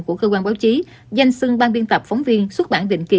của cơ quan báo chí danh sưng ban biên tập phóng viên xuất bản định kỳ